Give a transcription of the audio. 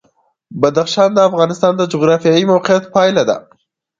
بدخشان د افغانستان د جغرافیایي موقیعت پایله ده.